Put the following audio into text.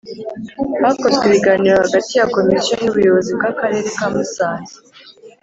Hakozwe ibiganiro hagati ya Komisiyo n Ubuyobozi bw Akarere ka Musanze